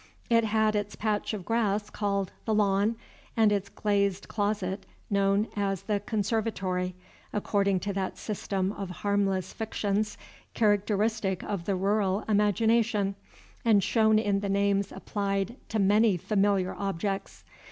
It had its patch of grass called "the lawn," and its glazed closet known as "the conservatory," according to that system of harmless fictions characteristic of the rural imagination and shown in the names applied to many familiar objects.